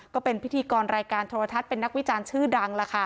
ก็เป็นพิธีกรรายการโทรทัศน์เป็นนักวิจารณ์ชื่อดัง